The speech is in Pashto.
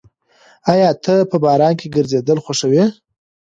ایا ته په باران کې ګرځېدل خوښوې؟